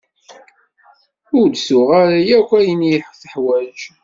Ur d-tuɣ ara akk ayen i teḥwaj.